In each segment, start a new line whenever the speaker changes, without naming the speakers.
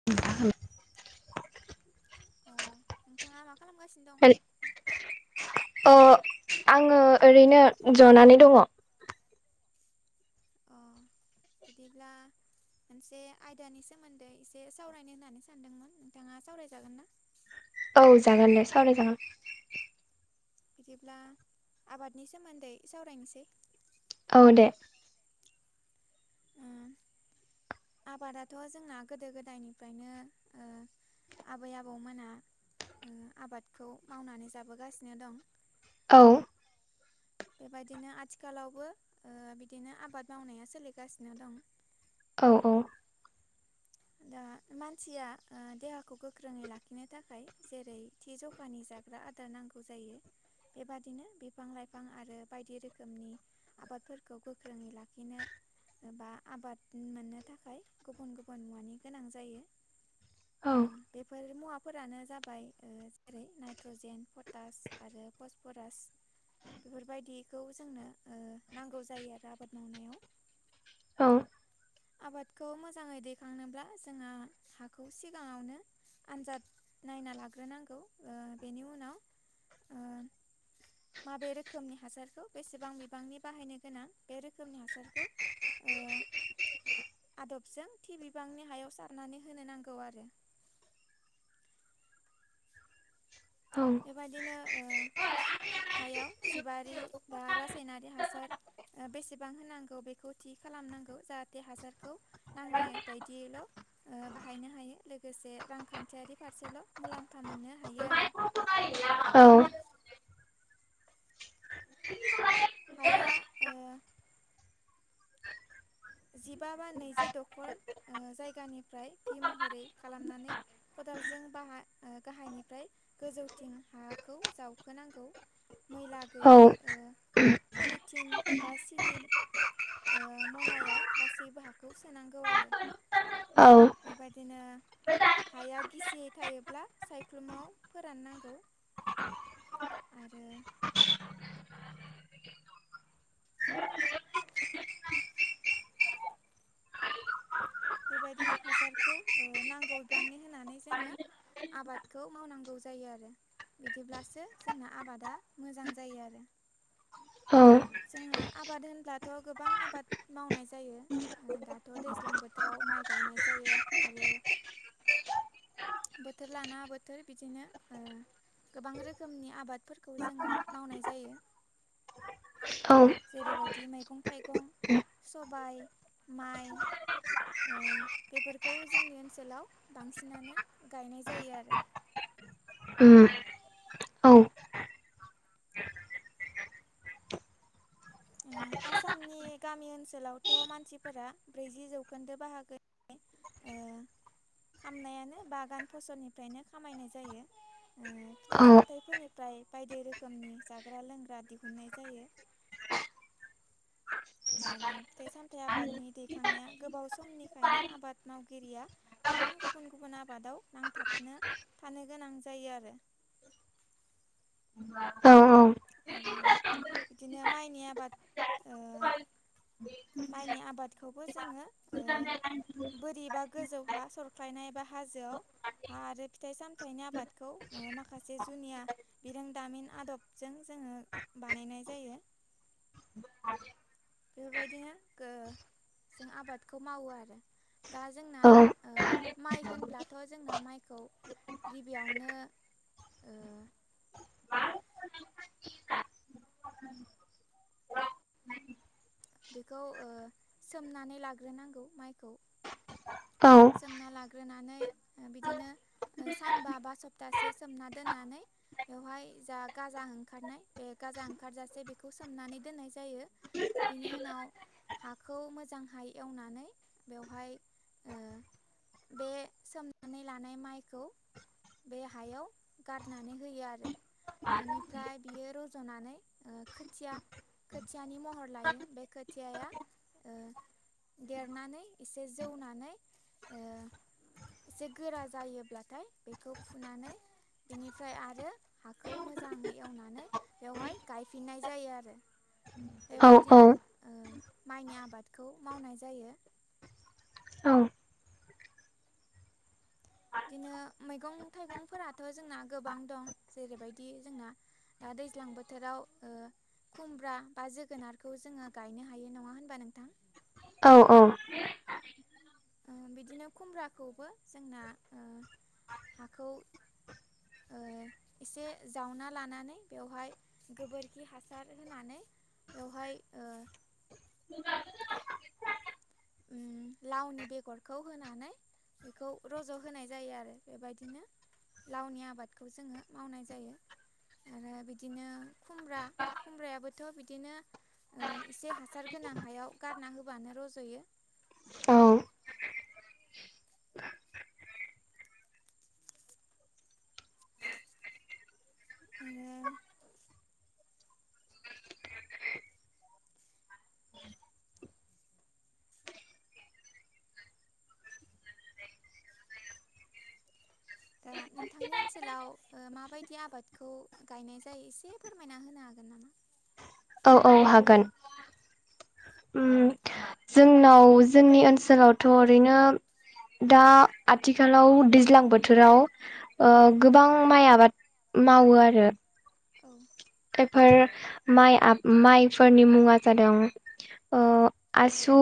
[unintelligible]
अ नोंथाङा मा खालामगासिनो दं?
अ आङो ओरैनो जनानै दङ।
अ बिदिब्ला मोनसे आयदानि सोमोन्दै एसे सावरायनो होननानै सानदोंमोन नोंथाङा सावरायजागोन ना?
औ जागोन दे सावराय जागोन।
बिदिब्ला आबादनि सोमोन्दै सावरायनोसै।
औ दे।
उम आबादाथ जोंना गोदो गोदायनिफ्रायनो ओ आबै आबौमोना ओ आबादखौ मावनानै जाबोगासिनो दं।
औ
बेबायदिनो आथिखालावबो ओ बिदिनो आबाद मावनाया सोलिगासिनो दं।
औ औ
दा मानसिया ओ देहाखौ गोख्रोङै लाखिनो थाखाय जेरै थि जखानि जाग्रा आदार नांगौ जायो। बेबादिनो बिफां लाइफां आरो बायदि रोखोमनि आबादफोरखौ गोख्रोङै लाखिनो बा आबाद मोननो थाखाय गुबुन गु बुन मुवानि गोनां जायो
औ
बेफोर मुवा फोरानो जाबाय जेरै नाइट्रजेन पटास आरो फसफरास। बेफोरबायदिखौ जोंनो ओ नांगौ जायो आरो आबाद मावनायाव।
औ
आबादखौ मोजाङै दैखांनोब्ला जोंङो हाखौ सिगाङावनो आनजाद नायना लाग्रोनांगौ ओ बेनि उनाव ओ माबे रोखोमनि हासारखौ बेसेबां बिबांनि बाहायनो गोनां बे रोखोमनि हासारखौ ओ आदबजों थि बिबांनि हायाव सारनानै होनो नांगौ आरो।
औ
बेबादिनो ओ हायाव जिबारि बा रासायनारि हासार ओ बेसेबां होनांगौ बेखौ थि खालामनांगौ जाहाथे हासारखौ नांनाय बायदियैल' ओ बाहायनो हायो लोगोसे रांखान्थियारि फारसेल' मुलाम्फा मोननो हायो आरो।
[inaudible] औ
हाया ओ जिबा बा नैजि दखर ओ जायगानिफ्राय भि महरै खालामनानै खदालजों बाहा ओ गाहायनिफ्राय गोजौथिं हाखौ जावखोनांगौ। मैला
औ
गैयि ओ पलिथिन बा सिनिम ओ मनायाव गासैबो हाखौ सोनांगौ आरो। बेबायदिनो हाया गिसियै थायोब्ला सायख्लुमाव फोराननांगौ। आरो बेबायदिनो हासारखौ ओ नांगौ बिबांनि होनानै जोङो आबादखौ मावनांगौ जायो आरो बिदिब्लासो जोंना आबादा मोजां जायो आरो
औ
जोंहा आबाद होनब्लाथ' गोबां आबाद मावनाय जायो। ओ दाथ' दैज्लां बोथोराव माइ गायनाय जायो आरो बोथोर लाना बोथोर बिदिनो ओ गोबां रोखोमनि आबादफोरखौ जोङो मावनाय जायो
औ
जेरैबायदि मैगं थाइगं सबाय माइ ओ बेफोरखौ जोंनि ओनसोलाव बांसिनानो गायनाय जायो आरो
उम औ
ओ आसामनि गामि ओनसोलावथ' मानसिफोरा ब्रैजि जौखोन्दो बाहागो ओ खामनायानो बागान फसलनिफ्रायनो खामायनाय जायो ओ
औ
फिथाइ सामथायाइफोरनि फ्राय बायदि रोखोमनि जाग्रा लोंग्रा दिहुननाय जायो आरो फिथाइ सामथाइ आबादनि दैखांनाया गोबाव समनिखायनो आबाद मावगिरिया गोबां गुबुन गुबुन आबादाव नांथाबनो थानो गोनां जायो आरो
औ औ
आरो बिदिनो माइनि आबाद ओ माइनि आबादखौबो जोङो ओ बोरिबा गोजौ हा सरख्लायनाय एबा हाजोआव हा आरो फिथाइ सामथाइनि आबादखौ ओ माखासे जुनिया बिरोंदामिन आदबजों जोङो बानायनाय जायो
[inaudible]
बेफोरबायदिनो गो जों आबादखौ मावो आरो दा जोंना
औ
ओ माइ होनब्लाथ' जोंना माइखौ गिबियावनो ओ बेखौ सोमनानै लाग्रोनांगौ माइखौ
औ
सोमना लाग्रोनानै बिदिनो सानबा बा सप्तासे सोमना दोननानै बेवहाय जा गाजा ओंखारनाय बे गाजा ओंखारजासे बेखौ सोमनानै दोननाय जायो बेनि उनाव हाखौ मोजांहाय एवनानै बेवहाय ओ बे सोमनानै लानाय माइखौ बे हायाव गारनानै होयो आरो बिनिफ्राय बियो रजनानै ओ खोथिया खोथियानि महर लायो बे खोथिया ओ देरनानै एसे जौनानै ओ एसे गोरा जायोब्लाथाय बेखौ फुनानै बेनिफ्राय आरो हाखौ मोजाङै एवनानै बेवहाय गायफिननाय जायो आरो
[inaudible]
बेबायदिनो ओ माइनि आबादखौ मावनाय जायो बिदिनो मैगं थाइगंफोराथ जोंना गोबां दं जेरैबायदि जोंना दा दैज्लां बोथोराव ओ खुमब्रा बा जोगोनारखौ जोङो गायनो हायो नङा होनबा नोंथां
औ औ
ओ बिदिनो खुमब्राखौबो जोंना ओ हाखौ ओ एसे जावना लानानै बेवहाय गोबोरखि हासार होनानै बेवहाय ओ उम लावनि बेगरखौ होनानै बेखौ रज' होनाय जायो आरो बेबायदिनो लावनि आबादखौ जोङो मावनाय जायो आरो बिदिनो खुमब्रा खुमब्रायाबोथ बिदिनो ओ इसे हासार गोनां हायाव गारना होबानो रज'यो
औ
आरो दा नोंथांनि ओनसोलाव ओ माबायदि आबादखौ गायनाय जायो एसे फोरमायना होनो हागोन नामा?
औ औ हागोन। उम जोंनाव जोंनि ओनसोलावथ' ओरैनो दा आथिखालाव दैज्लां बोथोराव ओ
औ
गोबां माइ आबाद मावो आरो
औ
बेफोर माइ आब माइफोरनि मुंआ जादों ओ आसु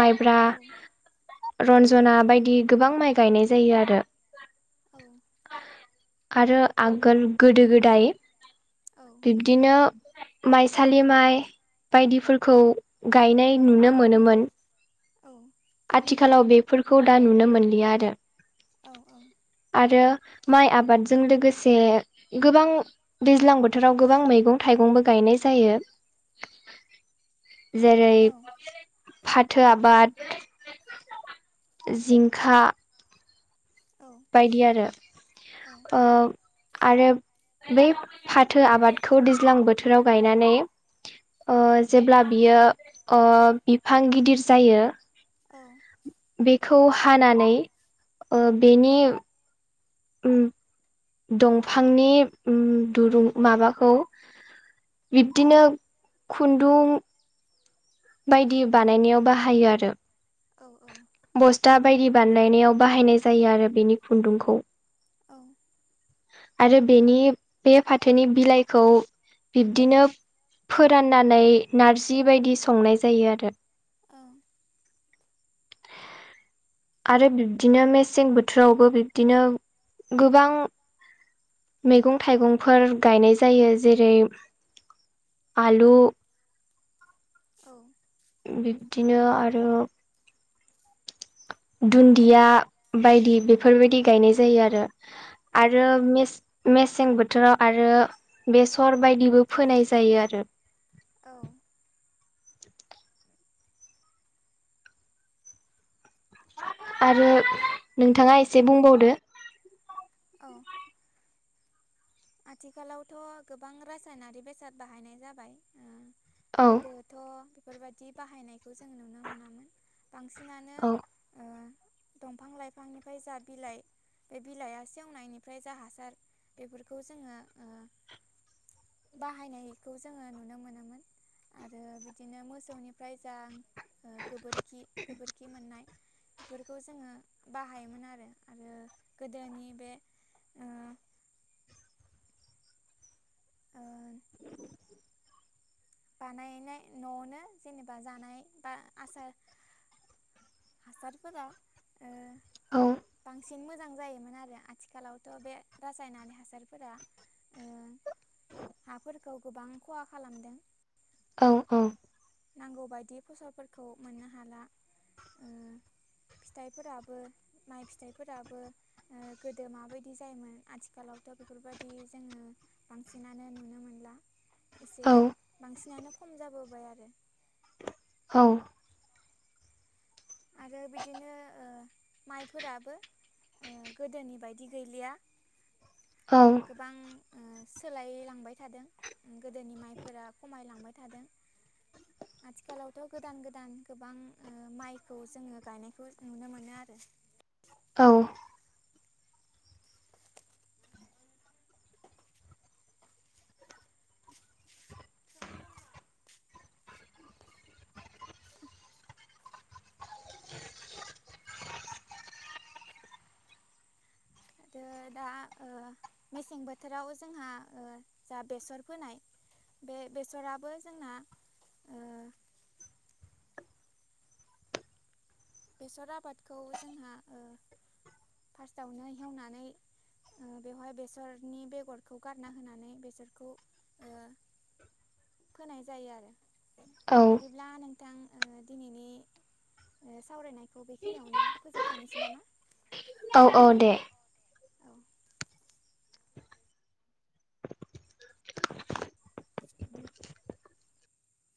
माइब्रा
औ
रन्जना बायदि गोबां माइ गायनाय जायो आरो
औ
आरो आगोल गोदो गोदाय
औ
[unintelligible] बिदिनो माइसालि माइ बायदिफोरखौ गायनाय नुनो मोनोमोन
औ
आथिखालाव बेफोरखौ दा नुनो मोनलिया आरो
औ औ
आरो माइ आबादजों लोगोसे गोबां दैज्लां बोथोराव गोबां मैगं थाइगंबो गायनाय जायो जेरै फाथो आबाद जिंखा बायदि आरो ओ आरो बै फाथो आबादखौ दैज्लां बोथोराव गायनानै ओ जेब्ला बियो ओ बिफां गिदिर जायो
औ
बेखौ हानानै ओ बेनि उम दंफांनि उम दुरुं माबाखौ बिब्दिनो खुन्दुं बायदि बानायनायाव बाहायो आरो
औ औ
बस्था बायदि बानायनायाव बाहायनाय जायो आरो बेनि खुन्दुंखौ
औ
आरो बेनि बे फाथोनि बिलाइखौ बिब्दिनो फोराननानै नारजि बायदि संनाय जायो आरो
औ
आरो बिब्दिनो मेसें बोथोरावबो बिब्दिनो गोबां मैगं थाइगंफोर गायनाय जायो जेरै आलु
औ
बिब्दिनो आरो दुन्दिया बायदि बेफोरबायदि गायनाय जायो आरो आरो मेसे मेसें बोथोराव आरो बेसर बायदिबो फोनाय जायो आरो।
औ
आरो नोंथाङा एसे बुंबावदो
औ आथिखालावथ' गोबां रासायनारि बेसाद बाहायनाय जाबाय ओ
औ
गोदो थ' बेफोरबायदि बाहायनायखौ जों नुनो मोनामोन बांसिनानो
औ
ओ दंफां लाइफांनिफ्राय जा बिलाइ बे बिलाइआ सेवनायनिफ्रायसो जा हासार बेफोरखौ जोङो ओ बाहायनायखौ जोङो नुनो मोनोमोन। आरो बिदिनो मोसौनिफ्राय जा ओ गोबोरखि गोबोरखि मोननाय बेफोरखौ जोङो बाहायोमोन आरो, आरो गोदोनि बे ओ ओ बानायनाय न'आवनो जेनेबा जानाय बा आसार हासारफोरा ओ
औ
बांसिन मोजां जायोमोन आरो आथिखालावथ' बे रासायनारि हासारफोरा ओ हाफोरखौ गोबां खहा खालामदों
औ औ
नांगौ बायदि फसलफोरखौ मोननो हाला ओम फिथाइफोराबो माइ फिथाइफोराबो ओ गोदो माबायदि जायोमोन आथिखालावथ' बेफोरबायदि जोङो बांसिनानो नुनो मोनला एसे
औ
बांसिनानो खम जाबोबाय आरो।
औ
आरो बिदिनो ओ माइफोराबो ओ गोदोनि बायदि गैलिया
ओं
गोबां ओ सोलायलांबाय थादों ओ गोदोनि माइफोरा खमायलांबाय थादों। आथिखालावथ' गोदान गोदान गोबां ओ माइ खौ जोङो गायनायखौ नुनो मोनो आरो
औ
[unintelligible] आरो दा ओ मेसें बोथोराव जोंहा ओ जा बेसर फोनाय बे बेसराबो जोंना ओ बेसर आबादखौ जोंहा ओ फार्स्टआवनो हेवनानै ओ बेवहाय बेसरनि बेगरखौ गारना होनानै बेसरखौ ओ फोनाय जायो आरो।
औ
बिदिब्ला नोंथां ओ दिनैनि ओ सावरायनाय बेखौ बेखिनियावनो फोजोबथ'नोसै नामा
औ औ दे
औ।